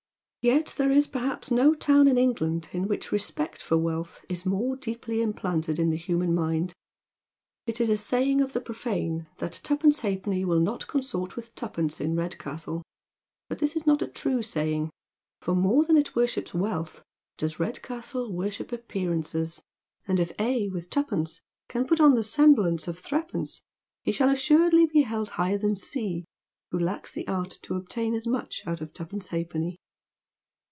Yet there is perhaps no town in England in which respect for wealth is more deeply implanted in the human mind. It ia a The Elite of Medcastle. 4J» (Baying of the profane that twopence halfpenny will not consort with twopence in Kedcastle, but this is not a true saying, for more than it worships wealth does Eedcastle worship appearances, and it A, Avith twopence, can pot on the semblance of threepence, ha shall be ausuredly held highter than C, who lacks the art to obtain as much out of twopence halfpenny.